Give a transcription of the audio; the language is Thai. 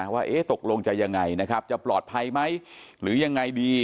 ว่าตกลงจะยังไงนะครับจะปลอดภัยไหมหรือยังไงดี